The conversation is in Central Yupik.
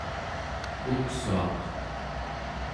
uksuaq